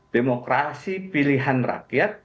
demokrasi pilihan rakyat